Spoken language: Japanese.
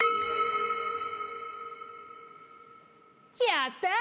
やった！